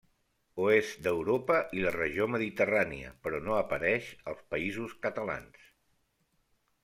Oest d'Europa i la regió mediterrània però no apareix als Països Catalans.